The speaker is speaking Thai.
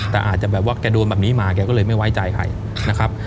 แต่อาจจะแบบว่าแกโดนแบบนี้มาแกก็เลยไม่ไว้ใจใครนะครับ